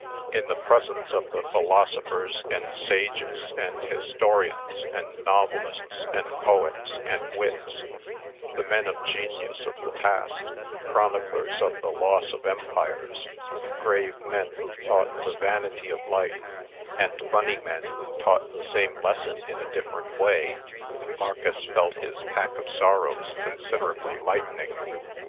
In the presence of the philosophers, and sages, and historians, and novelists, and poets, and wits, the men of genius of the past, chroniclers of the loss of empires, grave men who taught the vanity of life, and funny men who taught the same lesson in a different way, Marcus felt his pack of sorrows considerably lightening.